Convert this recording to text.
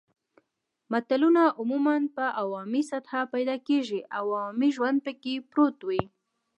متلونه عموماً په عوامي سطحه پیدا کیږي او عوامي ژوند پکې پروت وي